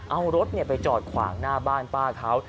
เอารถไปจอดขวางหน้าบ้านป้าเขา